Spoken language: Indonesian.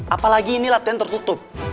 apalagi ini latihan tertutup